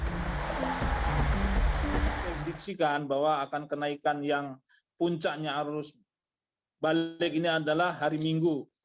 prediksikan bahwa akan kenaikan yang puncaknya arus balik ini adalah hari minggu